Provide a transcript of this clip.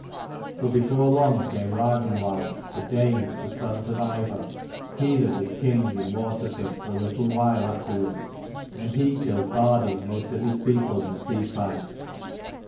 But before long came Ragnwald the Dane, of the sons of Ivar, he that was king in Waterfofd for a little while afterwards ; and he killed Bardi and most of his people in a sea fight.